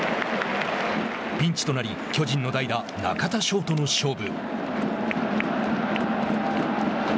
ピンチとなり巨人の代打、中田翔との勝負。